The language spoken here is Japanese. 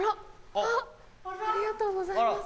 ありがとうございます。